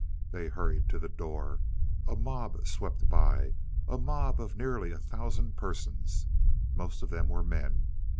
They hurried to the door. A mob swept by a mob of nearly a thousand persons. Most of them were men.